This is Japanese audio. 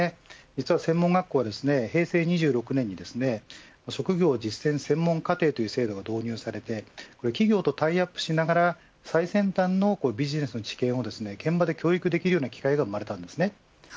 実は専門学校は平成２６年に職業実践専門課程という制度が導入されて企業とタイアップしながら最先端のビジネスの知見を現場で教育できる機会が生まれたんです。